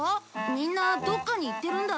みんなどっかに行ってるんだ。